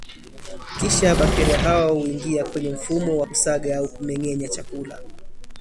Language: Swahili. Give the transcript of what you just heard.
kisha bekteria hao huingia kwenye mfumo wa kusaga au kumengenya chakula